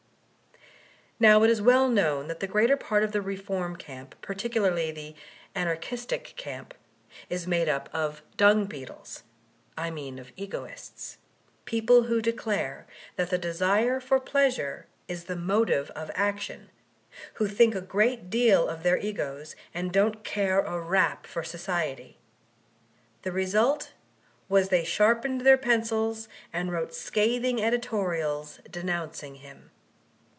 Now, it is well known that the greater part of the reform camp— particularly the Anarchistic camp^is made up of Dung Beetles, I mean of Egoists; people who declare that the desire for pleasure is the motive of action, who think a great deal of their egos and don't care a rap for society. The result was they sharpened 292 VOLTAIUNE DE ClEYXB their pencils and wrote scathing editoriab denouncing him.